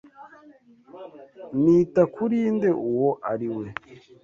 Nita kuri nde uwo ari we?